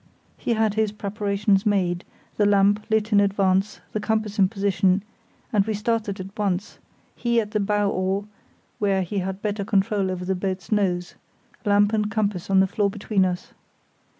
He had all his preparations made, the lamp lit in advance, the compass in position, and we started at once; he at the bow oar where he had better control over the boat's nose; lamp and compass on the floor between us.